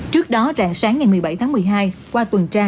trước đó rạng sáng ngày một mươi bảy tháng một mươi hai qua tuần tra